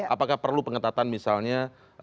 apakah perlu pengetatan misalnya